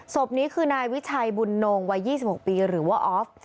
ศพนี้คือนายวิชัยบุญโนงวัย๒๖ปีหรือว่าออฟ